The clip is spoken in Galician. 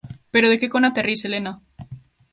_¿Pero de que cona te ris, Helena?